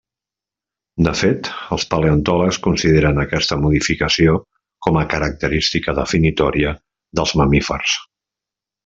De fet, els paleontòlegs consideren aquesta modificació com a característica definitòria dels mamífers.